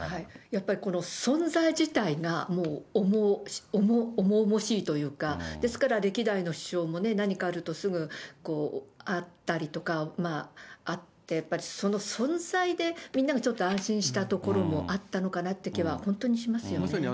やっぱり、この存在自体がもう重々しいというか、ですから歴代の首相もね、何かあると、すぐ会ったりとか、会って、やっぱりその存在でみんながちょっと安心したところもあったのかなっていう気は、本当にしますよね。